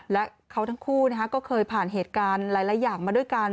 และเขาทั้งคู่ก็เคยผ่านเหตุการณ์หลายอย่างมาด้วยกัน